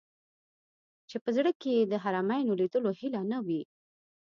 چې په زړه کې یې د حرمینو لیدلو هیله نه وي.